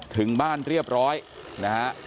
ถึงบ้านเรียบร้อยนะฮะ